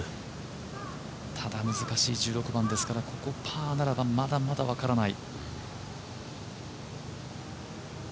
ただ難しい１６番ですからここがパーならばまだまだ分からない。